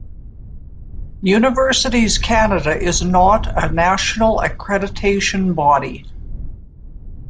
Universities Canada is not a national accreditation body.